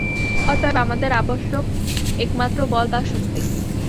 অতএব আমাদের আবশ্যক একমাত্র বল বা শক্তি।